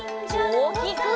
おおきく！